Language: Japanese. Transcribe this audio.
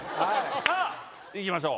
さぁ行きましょう！